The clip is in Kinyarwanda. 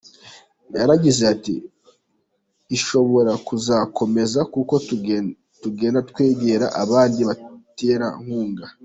Yaragize ati “Ishobora kuzakomeza, kuko tugenda twegera abandi baterankunga.